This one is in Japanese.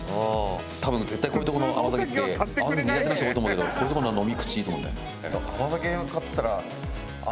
多分絶対こういうとこの甘酒って甘酒苦手な人多いと思うけどこういうとこのは飲み口いいと思うんだよね。